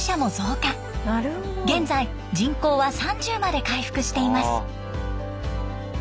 現在人口は３０まで回復しています。